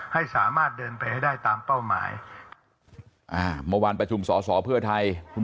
ให้สามารถเดินไปได้ตามเป้าหมายเมื่อวานประจุมสสเพื่อไทยคุณ